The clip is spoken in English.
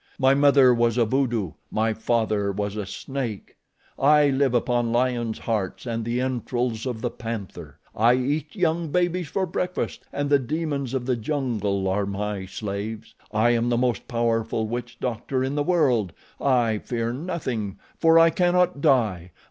My mother was a voodoo, my father was a snake; I live upon lions' hearts and the entrails of the panther; I eat young babies for breakfast and the demons of the jungle are my slaves. I am the most powerful witch doctor in the world; I fear nothing, for I cannot die.